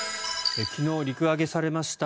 昨日、陸揚げされました